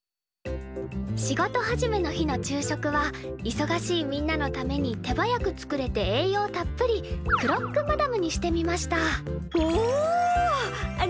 仕事始めの日の昼食はいそがしいみんなのために手早く作れて栄養たっぷりクロックマダムにしてみました。